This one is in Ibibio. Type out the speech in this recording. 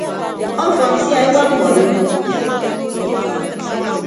Ọfọn sia ewa mmọdo.